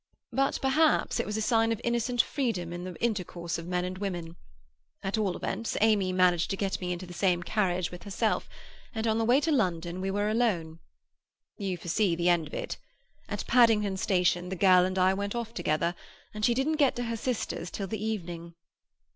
But perhaps it was a sign of innocent freedom in the intercourse of men and women. At all events, Amy managed to get me into the same carriage with herself, and on the way to London we were alone. You foresee the end of it. At Paddington Station the girl and I went off together, and she didn't get to her sister's till the evening.